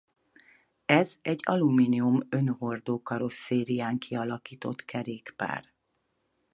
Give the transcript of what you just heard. Ez egy alumínium önhordó karosszérián kialakított kerékpár.